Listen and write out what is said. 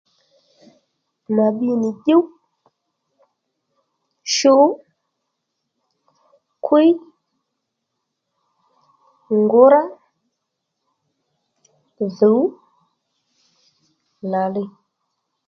Mà bbi nì dyúw, shu, kwíy, ngǔrá, dhùw làliy